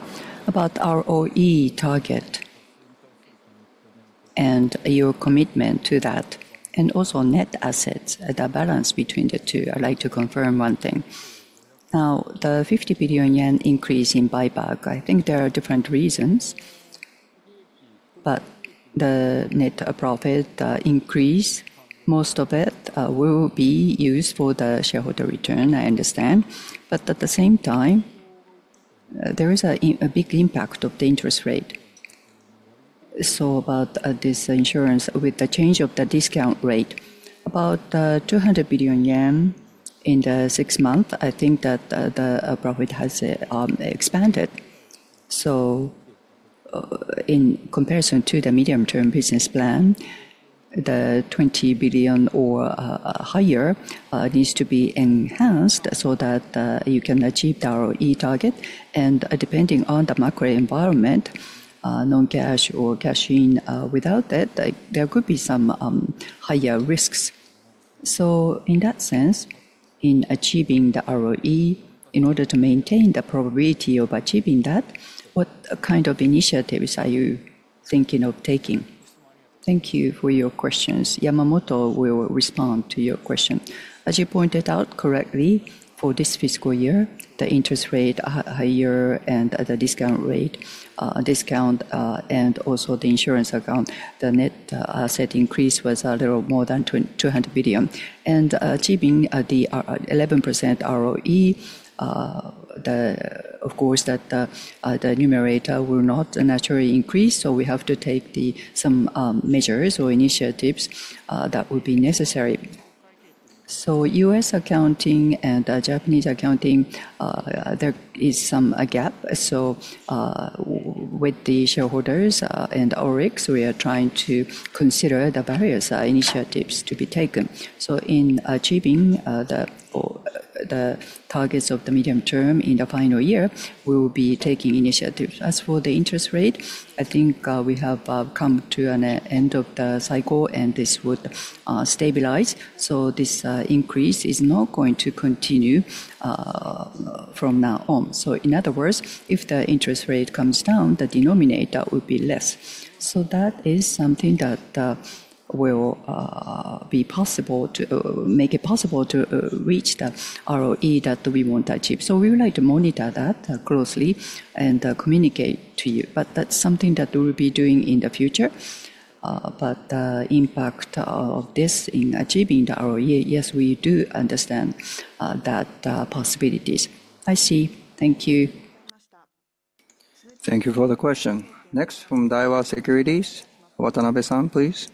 about ROE target and your commitment to that and also net assets, the balance between the two. I would like to confirm one thing. Now, the 50 billion yen increase in buyback, I think there are different reasons, but the net profit increase, most of it will be used for the shareholder return, I understand. At the same time, there is a big impact of the interest rate. About this insurance with the change of the discount rate, about 200 billion yen in the six months, I think that the profit has expanded. In comparison to the medium-term business plan, the 20 billion or higher needs to be enhanced so that you can achieve the ROE target. Depending on the macro environment, non-cash or cash in without that, there could be some higher risks. In that sense, in achieving the ROE, in order to maintain the probability of achieving that, what kind of initiatives are you thinking of taking? Thank you for your questions. Yamamoto will respond to your question. As you pointed out correctly, for this fiscal year, the interest rate higher and the discount rate, discount and also the insurance account, the net asset increase was a little more than 200 billion. Achieving the 11% ROE, of course, that the numerator will not naturally increase. We have to take some measures or initiatives that would be necessary. U.S. accounting and Japanese accounting, there is some gap. With the shareholders and ORIX, we are trying to consider the various initiatives to be taken. In achieving the targets of the medium term in the final year, we will be taking initiatives. As for the interest rate, I think we have come to an end of the cycle and this would stabilize. This increase is not going to continue from now on. In other words, if the interest rate comes down, the denominator would be less. That is something that will be possible to make it possible to reach the ROE that we want to achieve. We would like to monitor that closely and communicate to you. That is something that we will be doing in the future. The impact of this in achieving the ROE, yes, we do understand that possibilities. I see. Thank you. Thank you for the question. Next from Daiwa Securities, Watanabe-san, please.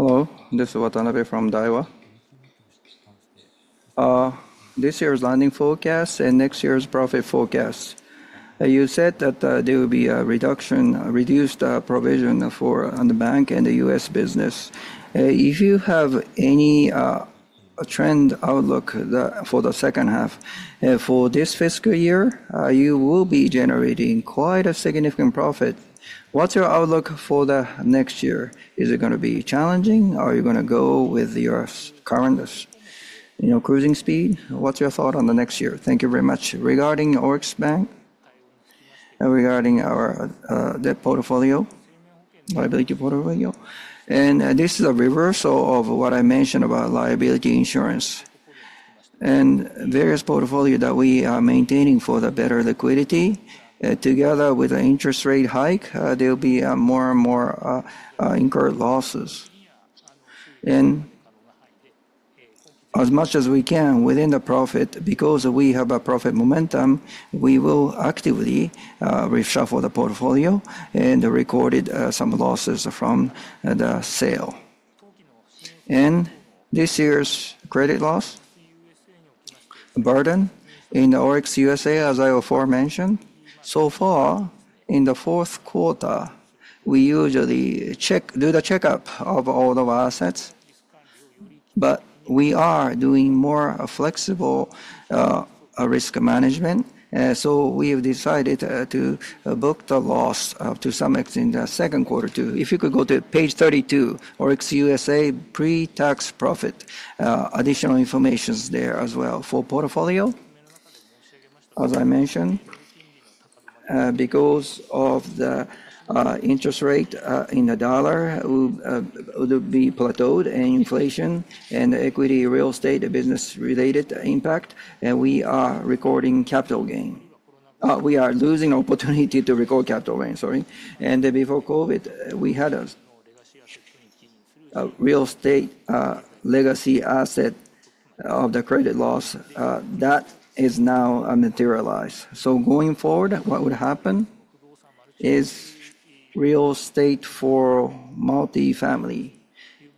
Hello. This is Watanabe from Daiwa. This year's landing forecast and next year's profit forecast. You said that there will be a reduction, reduced provision for the bank and the U.S. business. If you have any trend outlook for the second half for this fiscal year, you will be generating quite a significant profit. What's your outlook for the next year? Is it going to be challenging? Are you going to go with your current cruising speed? What's your thought on the next year? Thank you very much. Regarding ORIX Bank and regarding our debt portfolio, liability portfolio. This is a reversal of what I mentioned about liability insurance and various portfolio that we are maintaining for the better liquidity. Together with the interest rate hike, there will be more and more incurred losses. As much as we can within the profit, because we have a profit momentum, we will actively reshuffle the portfolio and recorded some losses from the sale. This year's credit loss burden in ORIX USA, as I before mentioned, so far in the fourth quarter, we usually do the check-up of all of our assets. We are doing more flexible risk management. We have decided to book the loss to some extent in the second quarter too. If you could go to page 32, ORIX USA pre-tax profit, additional information is there as well for portfolio. As I mentioned, because of the interest rate in the dollar, it would be plateaued and inflation and equity, real estate, business-related impact, and we are recording capital gain. We are losing opportunity to record capital gain, sorry. Before COVID, we had a real estate legacy asset of the credit loss that is now materialized. Going forward, what would happen is real estate for multifamily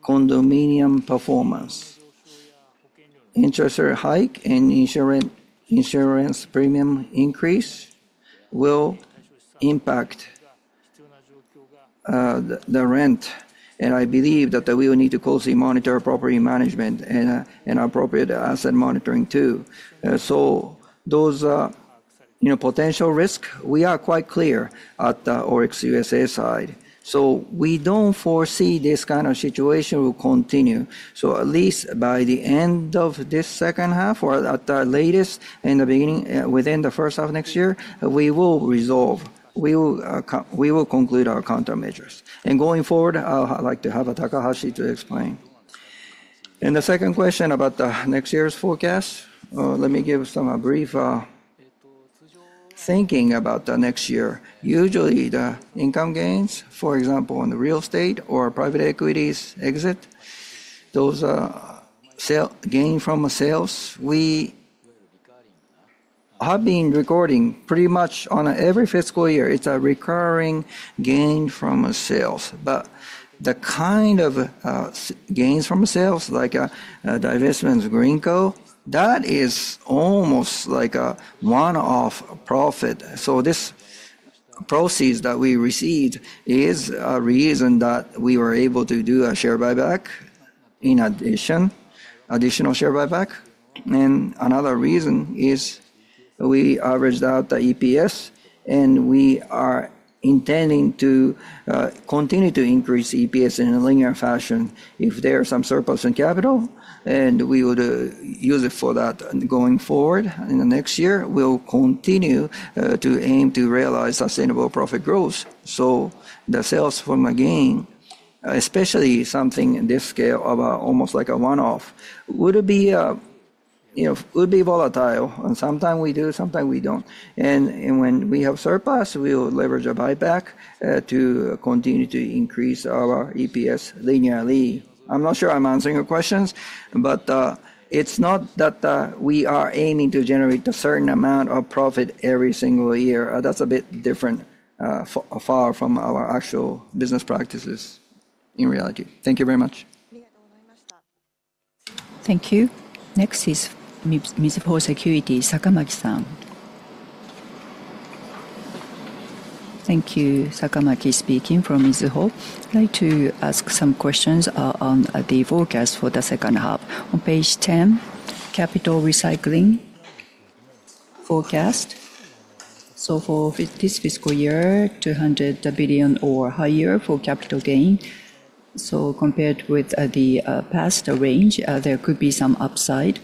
condominium performance, interest rate hike, and insurance premium increase will impact the rent. I believe that we will need to closely monitor property management and appropriate asset monitoring too. Those potential risks, we are quite clear at the ORIX USA side. We do not foresee this kind of situation will continue. At least by the end of this second half or at the latest at the beginning, within the first half of next year, we will resolve. We will conclude our countermeasures. Going forward, I'd like to have Takahashi explain. The second question about next year's forecast, let me give some brief thinking about next year. Usually, the income gains, for example, on the real estate or private equities exit, those gains from sales, we have been recording pretty much on every fiscal year. It is a recurring gain from sales. The kind of gains from sales, like divestment of Greenko, that is almost like a one-off profit. This proceeds that we received is a reason that we were able to do a share buyback, in addition, additional share buyback. Another reason is we averaged out the EPS, and we are intending to continue to increase EPS in a linear fashion. If there is some surplus in capital, we would use it for that going forward in the next year. We will continue to aim to realize sustainable profit growth. The sales from a gain, especially something this scale of almost like a one-off, would be volatile. Sometimes we do, sometimes we do not. When we have surplus, we will leverage a buyback to continue to increase our EPS linearly. I am not sure I am answering your questions, but it is not that we are aiming to generate a certain amount of profit every single year. That is a bit different, far from our actual business practices in reality. Thank you very much. Thank you. Next is Mizuho Securities, Sakamaki-san. Thank you. Sakamaki speaking from Mizuho. I'd like to ask some questions on the forecast for the second half. On page 10, capital recycling forecast. For this fiscal year, 200 billion or higher for capital gain. Compared with the past range, there could be some upside.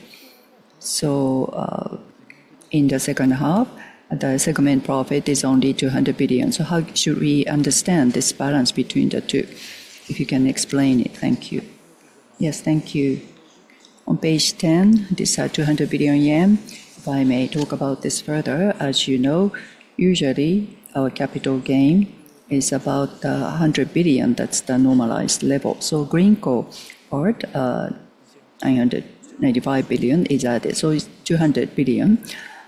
In the second half, the segment profit is only 200 billion. How should we understand this balance between the two? If you can explain it, thank you. Yes, thank you. On page 10, this is 200 billion yen. If I may talk about this further, as you know, usually our capital gain is about 100 billion. That's the normalized level. Greenko, 99.5 billion is added. It is 200 billion.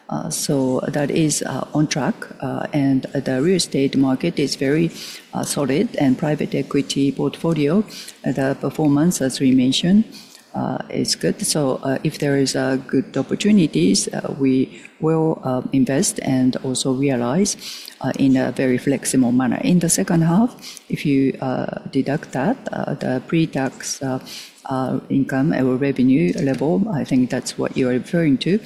That is on track. The real estate market is very solid and private equity portfolio, the performance, as we mentioned, is good. If there is a good opportunity, we will invest and also realize in a very flexible manner. In the second half, if you deduct that, the pre-tax income or revenue level, I think that's what you are referring to.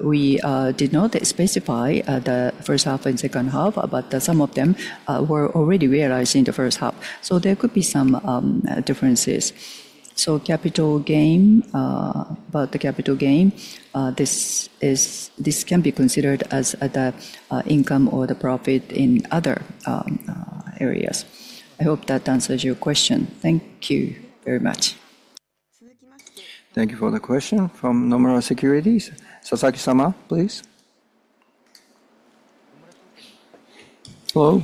We did not specify the first half and second half, but some of them were already realized in the first half. There could be some differences. About the capital gain, this can be considered as the income or the profit in other areas. I hope that answers your question. Thank you very much. Thank you for the question from Nomura Securities. Sasaki-sama, please. Hello.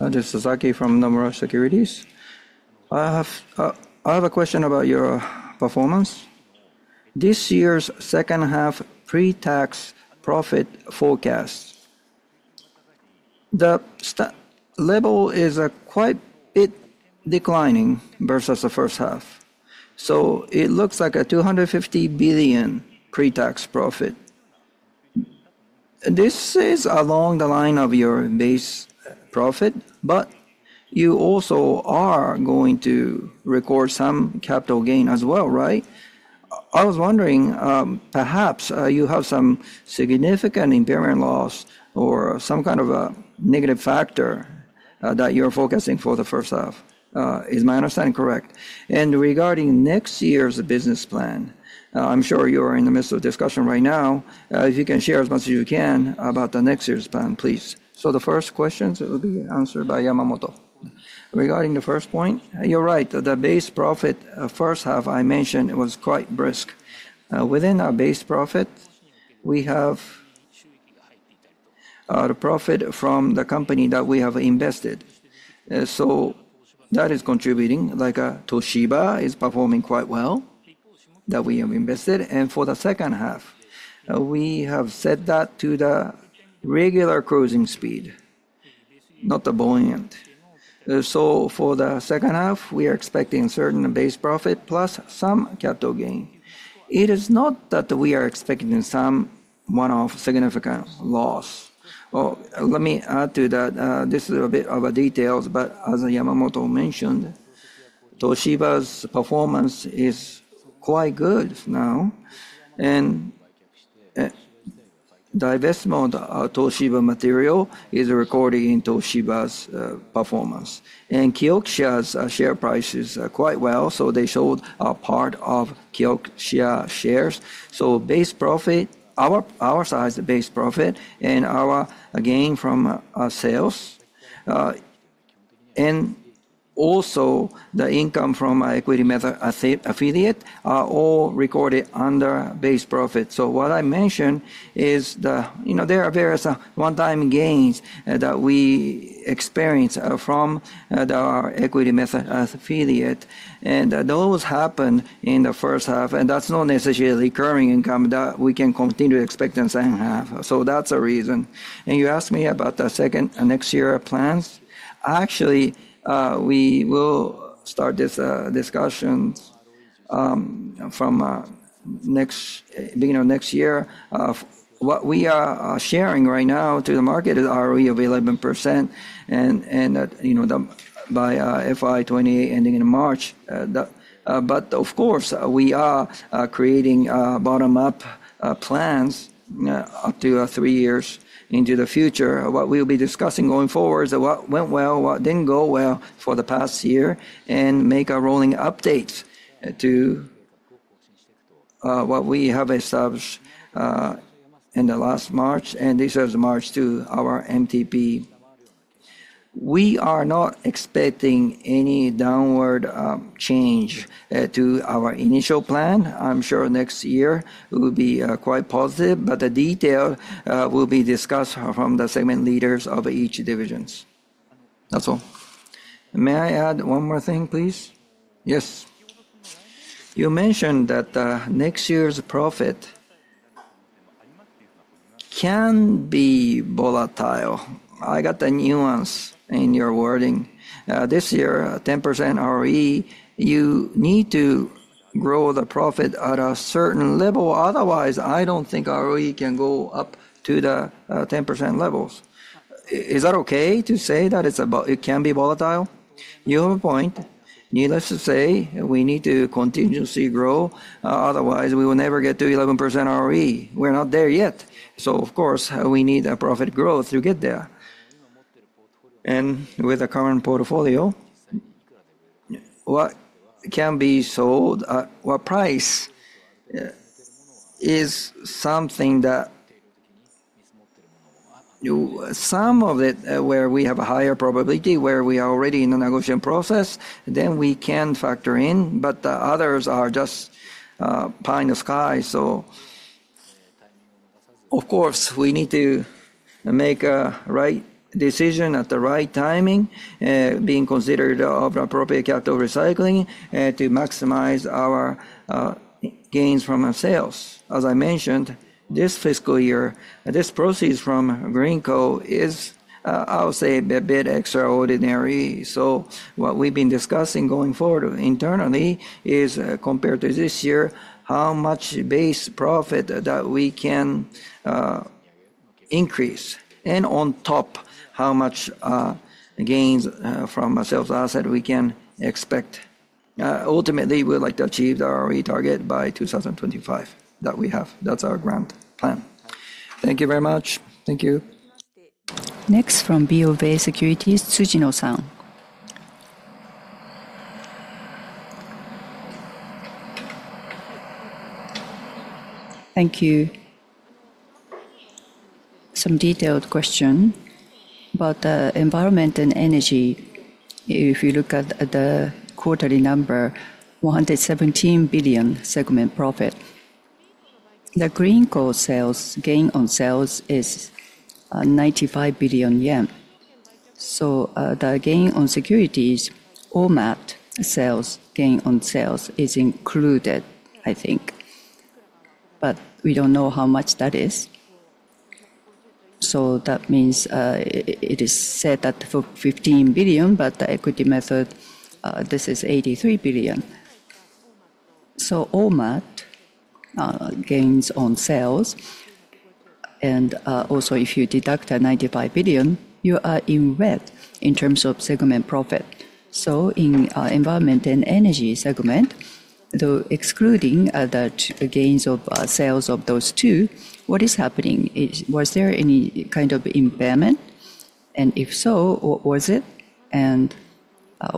This is Sasaki from Nomura Securities. I have a question about your performance. This year's second half pre-tax profit forecast, the level is quite a bit declining versus the first half. It looks like a 250 billion pre-tax profit. This is along the line of your base profit, but you also are going to record some capital gain as well, right? I was wondering, perhaps you have some significant impairment loss or some kind of a negative factor that you're focusing for the first half. Is my understanding correct? Regarding next year's business plan, I'm sure you're in the midst of discussion right now. If you can share as much as you can about the next year's plan, please. The first questions will be answered by Yamamoto. Regarding the first point, you're right. The base profit first half I mentioned was quite brisk. Within our base profit, we have the profit from the company that we have invested. That is contributing. Like Toshiba is performing quite well that we have invested. For the second half, we have set that to the regular cruising speed, not the buoyant. For the second half, we are expecting a certain base profit plus some capital gain. It is not that we are expecting some one-off significant loss. Let me add to that. This is a bit of a detail, but as Yamamoto mentioned, Toshiba's performance is quite good now. Divestment of Toshiba material is recording in Toshiba's performance. Kyokushia's share prices are quite well. They showed a part of Kyokushia shares. Base profit, our size base profit and our gain from our sales, and also the income from our equity affiliate are all recorded under base profit. What I mentioned is there are various one-time gains that we experience from our equity affiliate. Those happen in the first half. That is not necessarily recurring income that we can continue to expect in the second half. That is a reason. You asked me about the second next year plans. Actually, we will start this discussion from the beginning of next year. What we are sharing right now to the market is ROE of 11% by FY 2028 ending in March. Of course, we are creating bottom-up plans up to three years into the future. What we will be discussing going forward is what went well, what did not go well for the past year, and making a rolling update to what we have established in last March. This is March to our MTP. We are not expecting any downward change to our initial plan. I am sure next year will be quite positive. The detail will be discussed from the segment leaders of each division. That is all. May I add one more thing, please? Yes. You mentioned that next year's profit can be volatile. I got the nuance in your wording. This year, 10% RE, you need to grow the profit at a certain level. Otherwise, I do not think RE can go up to the 10% levels. Is that okay to say that it can be volatile? You have a point. Let's just say we need to continuously grow. Otherwise, we will never get to 11% RE. We are not there yet. Of course, we need a profit growth to get there. With a current portfolio, what can be sold at what price is something that some of it where we have a higher probability, where we are already in the negotiation process, then we can factor in. Others are just pie in the sky. Of course, we need to make a right decision at the right timing, being considerate of appropriate capital recycling to maximize our gains from our sales. As I mentioned, this fiscal year, this proceeds from Greenko is, I'll say, a bit extraordinary. What we've been discussing going forward internally is compared to this year, how much base profit that we can increase. And on top, how much gains from our sales asset we can expect. Ultimately, we would like to achieve the ROE target by 2025 that we have. That's our grand plan. Thank you very much. Thank you. Next from BofA Securities, Tsujino-san. Thank you. Some detailed question about the environment and energy. If you look at the quarterly number, 117 billion segment profit. The Greenko sales gain on sales is 95 billion yen. The gain on securities, OMAT sales gain on sales is included, I think. We do not know how much that is. That means it is set at 15 billion, but the equity method, this is 83 billion. OMAT gains on sales. Also, if you deduct 95 billion, you are in red in terms of segment profit. In environment and energy segment, though excluding the gains of sales of those two, what is happening? Was there any kind of impairment? If so, what was it?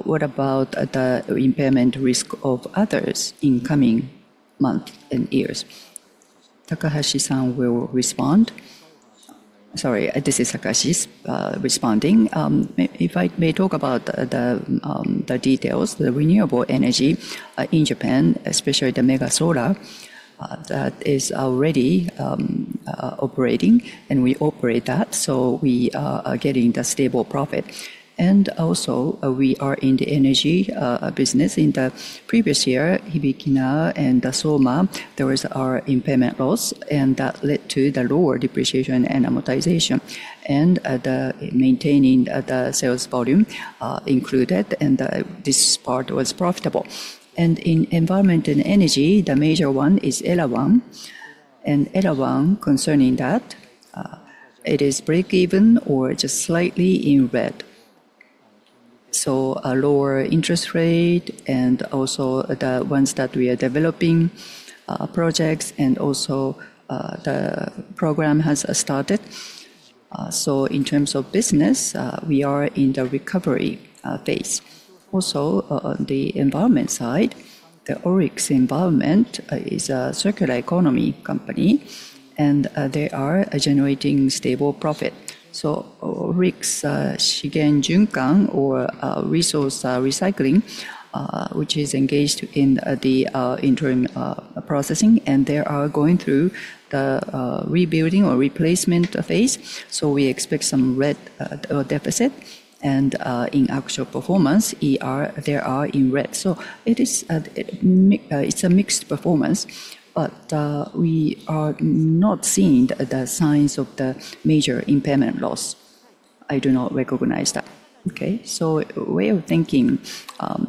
What about the impairment risk of others in coming months and years? Takahashi-san will respond. Sorry, this is Takahashi responding. If I may talk about the details, the renewable energy in Japan, especially the mega solar that is already operating. We operate that. We are getting the stable profit. Also, we are in the energy business. In the previous year, Hibikina and Soma, there was our impairment loss. That led to the lower depreciation and amortization. Maintaining the sales volume included. This part was profitable. In environment and energy, the major one is Elawan. Elawan, concerning that, it is break-even or just slightly in red. A lower interest rate and also the ones that we are developing projects and also the program has started. In terms of business, we are in the recovery phase. Also, on the environment side, the ORIX environment is a circular economy company. They are generating stable profit. ORIX Shigen Junkan or resource recycling, which is engaged in the interim processing. They are going through the rebuilding or replacement phase. We expect some red deficit. In actual performance, they are in red. It is a mixed performance. We are not seeing the signs of the major impairment loss. I do not recognize that. Okay. Way of thinking,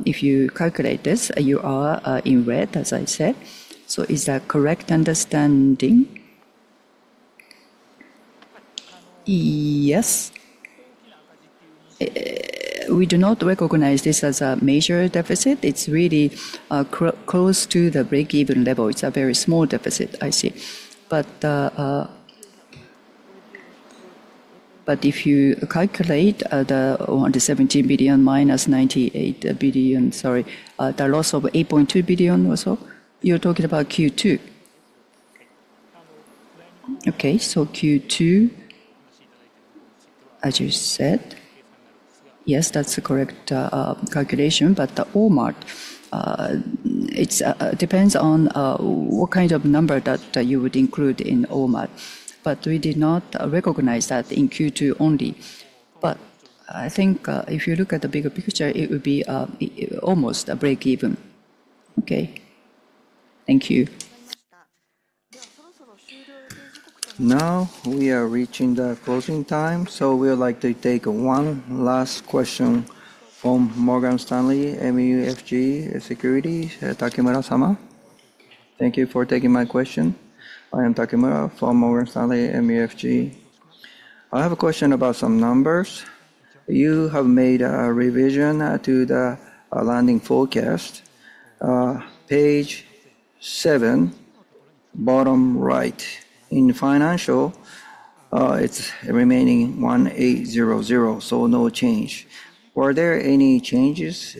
if you calculate this, you are in red, as I said. Is that correct understanding? Yes. We do not recognize this as a major deficit. It is really close to the break-even level. It is a very small deficit, I see. If you calculate the 117 billion minus 98 billion, sorry, the loss of 8.2 billion or so, you are talking about Q2. Okay. Q2, as you said, yes, that is the correct calculation. The OMAT, it depends on what kind of number that you would include in OMAT. We did not recognize that in Q2 only. I think if you look at the bigger picture, it would be almost a break-even. Okay. Thank you. Now, we are reaching the closing time. We would like to take one last question from Morgan Stanley MUFG Securities. Takemura-sama. Thank you for taking my question. I am Takemura from Morgan Stanley MUFG. I have a question about some numbers. You have made a revision to the landing forecast. Page seven, bottom right. In financial, it is remaining 1,800. No change. Were there any changes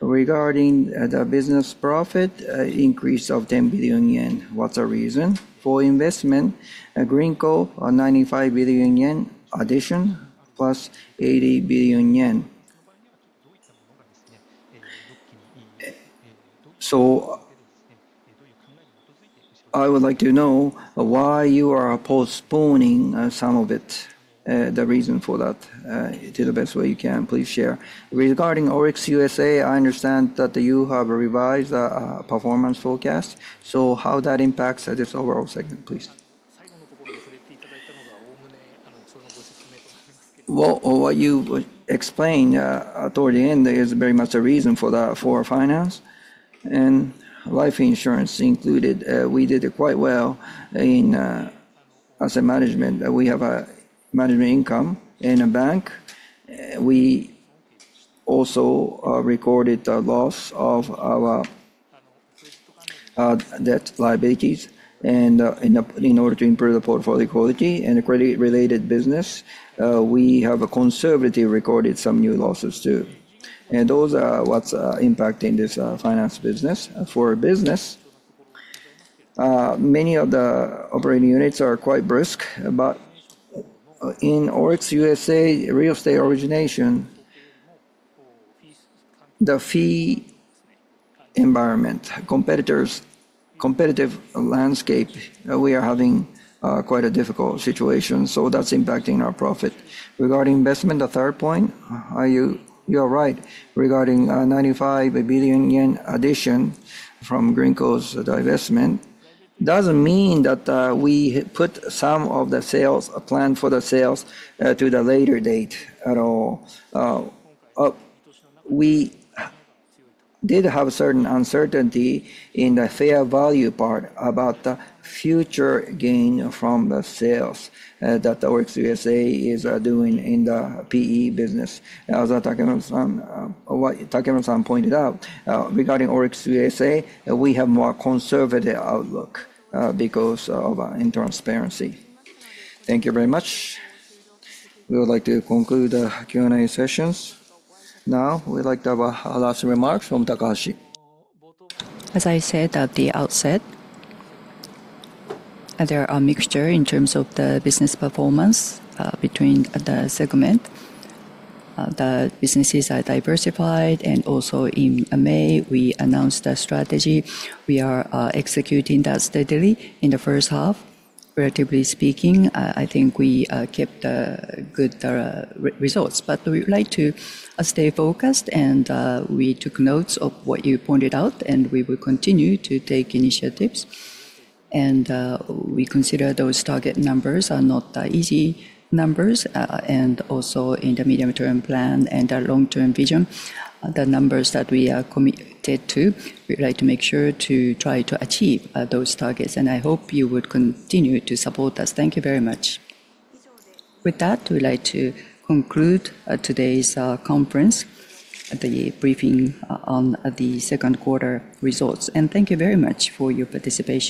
regarding the business profit increase of 10 billion yen? What is the reason for investment? Greenko 95 billion yen addition plus 80 billion yen. I would like to know why you are postponing some of it. The reason for that, to the best way you can, please share. Regarding ORIX USA, I understand that you have revised the performance forecast. How does that impact this overall segment, please? What you explained toward the end is very much a reason for that for finance and life insurance included. We did quite well as a management. We have a management income in a bank. We also recorded the loss of our debt liabilities. In order to improve the portfolio quality and the credit-related business, we have conservatively recorded some new losses too. Those are what's impacting this finance business. For business, many of the operating units are quite brisk. In ORIX USA, real estate origination, the fee environment, competitive landscape, we are having quite a difficult situation. That is impacting our profit. Regarding investment, the third point, you are right regarding 95 billion yen addition from Greenko's divestment. It does not mean that we put some of the sales plan for the sales to the later date at all. We did have a certain uncertainty in the fair value part about the future gain from the sales that ORIX USA is doing in the PE business. As Takemura-san pointed out, regarding ORIX USA, we have more conservative outlook because of our transparency. Thank you very much. We would like to conclude the Q&A sessions. Now, we'd like to have a last remark from Takahashi. As I said at the outset, there are mixtures in terms of the business performance between the segment. The businesses are diversified. Also in May, we announced the strategy. We are executing that steadily in the first half. Relatively speaking, I think we kept good results. We would like to stay focused. We took notes of what you pointed out. We will continue to take initiatives. We consider those target numbers are not easy numbers. Also in the medium-term plan and the long-term vision, the numbers that we are committed to, we'd like to make sure to try to achieve those targets. I hope you would continue to support us. Thank you very much. With that, we would like to conclude today's conference, the briefing on the second quarter results. Thank you very much for your participation.